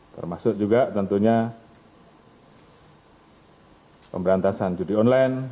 termasuk juga tentunya pemberantasan judi online